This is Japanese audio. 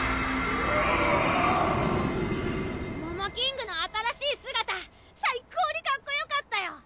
モモキングの新しい姿最高にかっこよかったよ！